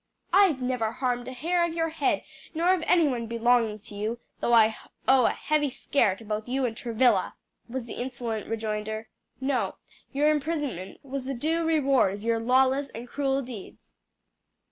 "I've never harmed a hair of your head nor of any one belonging to you; though I owe a heavy scare to both you and Travilla," was the insolent rejoinder. "No, your imprisonment was the due reward of your lawless and cruel deeds."